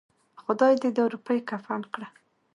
خداى دې دا روپۍ کفن کړه.